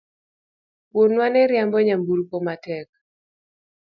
Wuonwa ne riembo nyamburko matek